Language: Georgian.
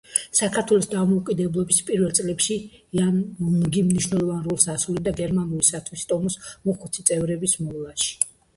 საქართველოს დამოუკიდებლობის პირველ წლებში აინუნგი მნიშვნელოვან როლს ასრულებდა გერმანული სათვისტომოს მოხუცი წევრების მოვლაში.